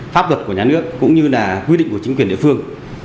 pháp luật của nhà nước cũng như là quy định của chính quyền địa phương